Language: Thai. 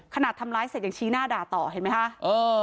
ขนาดทำร้ายเสร็จยังชี้หน้าด่าต่อเห็นไหมคะ